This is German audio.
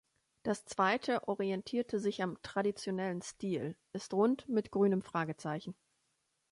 Das zweite orientierte sich am traditionellen Stil, ist rund mit grünem Fragezeichen.